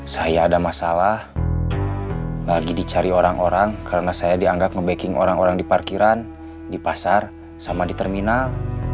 saya ada masalah lagi dicari orang orang karena saya dianggap nge backing orang orang di parkiran di pasar sama di terminal